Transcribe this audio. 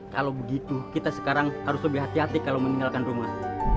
kalau begitu kita sekarang harus lebih hati hati kalau meninggalkan rumah